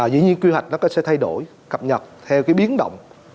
dĩ nhiên quy hoạch nó có sẽ thay đổi cập nhật theo cái biến động